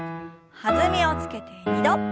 弾みをつけて２度。